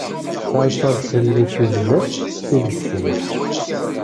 Tettɛassaḍ fell-i si sdat, si deffir.